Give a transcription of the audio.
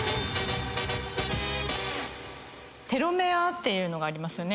テロメアっていうのがありますよね。